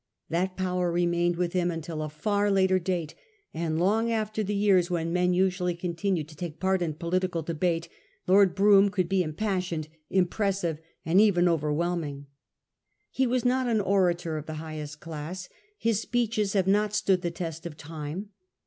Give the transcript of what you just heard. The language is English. That power remained with him until a far later date ; and long after the years when men usually continue to take part in political debate, Lord Brougham could be impassioned, impressive, and even overwhelming. He was not an orator of the highest class : his speeches have not stood the test of time.